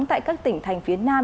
tại các tỉnh thành phía nam